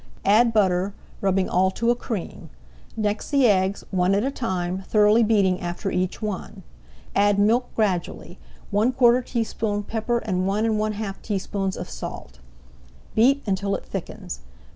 Add butter, rubbing all to a cream; next the eggs, one at a time, thoroughly beating after each one. Add milk gradually, one quarter teaspoonful pepper and one and one half teaspoonfuls of salt. Beat until it thickens.